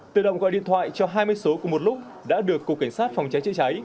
tự động gọi điện thoại cho hai mươi số cùng một lúc đã được cục cảnh sát phòng cháy chữa cháy